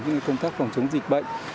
những công tác phòng chống dịch bệnh